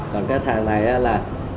còn cái thằng này là